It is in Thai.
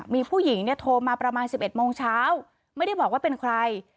มีผู้หญิงเนี่ยโทรมาประมาณ๑๑โมงเช้าไม่ได้บอกว่าเป็นใคร